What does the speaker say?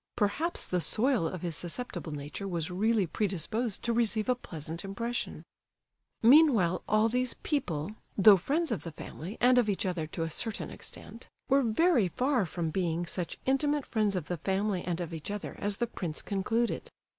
Perhaps the soil of his susceptible nature was really predisposed to receive a pleasant impression. Meanwhile all these people—though friends of the family and of each other to a certain extent—were very far from being such intimate friends of the family and of each other as the prince concluded.